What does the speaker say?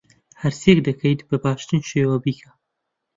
هەرچییەک دەکەیت، بە باشترین شێوە بیکە.